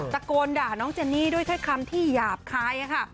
ตะโกนด่าน้องเจนี่ด้วยคำที่หยาบคาย